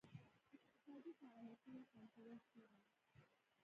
اقتصادي فعالیتونه کنټرول کړي.